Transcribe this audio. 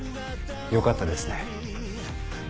よかったですね。